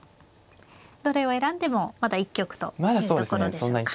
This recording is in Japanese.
どれを選んでもまだ一局というところでしょうか。